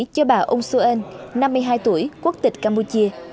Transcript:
cho bà ông son năm mươi hai tuổi quốc tịch campuchia